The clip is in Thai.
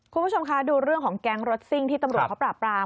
คุณผู้ชมคะดูเรื่องของแก๊งรถซิ่งที่ตำรวจเขาปราบราม